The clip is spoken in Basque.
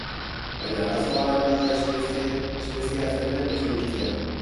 Baina, arazo galanta da espeziea zer den definitzea.